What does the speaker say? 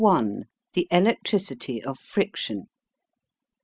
CHAPTER I. THE ELECTRICITY OF FRICTION.